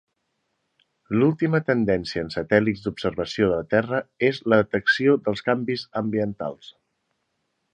L'última tendència en satèl·lits d'observació de la Terra, és la detecció dels canvis ambientals.